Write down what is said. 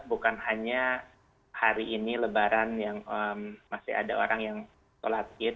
bukan hanya hari ini lebaran yang masih ada orang yang sholat id